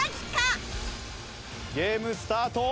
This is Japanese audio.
ゲームスタート！